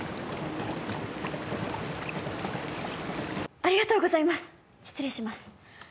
ありがとうございます失礼します